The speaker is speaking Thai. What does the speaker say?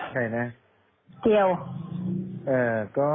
เป็นใครนะ